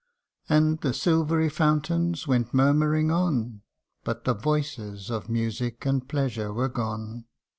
And the silvery fountains went murmuring on, But the voices of music and pleasure were gone.